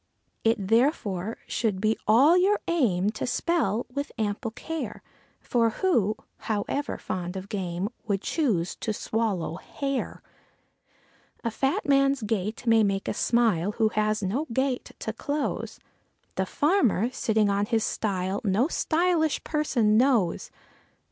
It therefore should be all your aim to spell with ample care; For who, however fond of game, would choose to swallow hair? A fat man's gait may make us smile, who has no gate to close; The farmer, sitting on his stile no _sty_lish person knows.